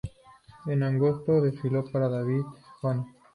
En agosto, desfiló para David Jones.